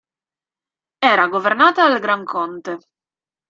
Era governata dal "Gran Conte".